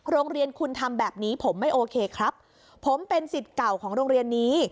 โรงเรียนคุณทำแบบนี้ผมไม่โอเคครับผมเป็นสิทธิ์เก่าของโรงเรียนนี้